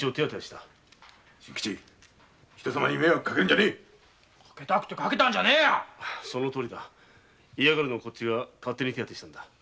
人様に迷惑かけるんじゃねぇかけたくてかけたんじゃねぇや嫌がるのをこっちが勝手に手当てしたんだ。